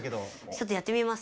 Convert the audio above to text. ちょっとやってみます。